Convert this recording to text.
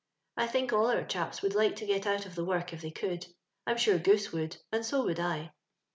I think all our chaps would like to get out of the work if they could; I'm sure Goose would, and so would I.